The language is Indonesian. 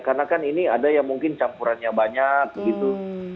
karena kan ini ada yang mungkin campurannya banyak gitu